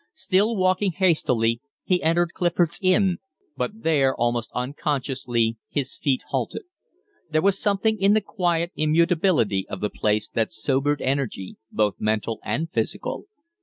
Still walking hastily, he entered Clifford's Inn, but there almost unconsciously his feet halted. There was something in the quiet immutability of the place that sobered energy, both mental and physical.